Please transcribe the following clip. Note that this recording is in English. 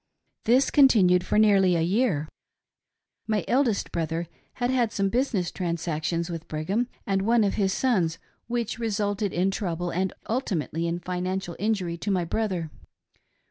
This continued for nearly a year. My eldest brother had had some business transactions with Brigham and one of his sons, which resulted in trouble and ultimately in financial injury to my brother.